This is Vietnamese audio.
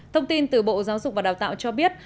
thông tin từ bộ giáo dục và đào tạo cho biết